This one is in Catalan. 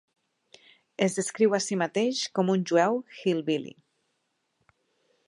Es descriu a si mateix com un "jueu hillbilly".